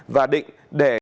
và định để